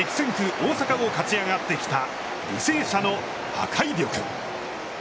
大阪を勝ち上がってきた履正社の破壊力。